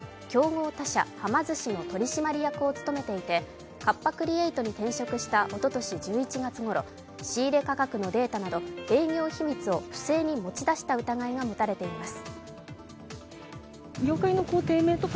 田辺社長は以前、競合他社、はま寿司の取締役を務めていてカッパ・クリエイトに転職したおととし１１月ごろ、仕入価格のデータなど営業秘密を不正に持ち出した疑いが持たれています。